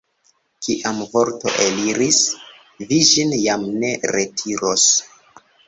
Kiam vorto eliris, vi ĝin jam ne retiros.